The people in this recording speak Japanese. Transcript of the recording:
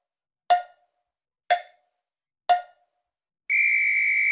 ピッ！